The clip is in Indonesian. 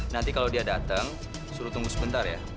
nanti kalau dia datang suruh tunggu sebentar ya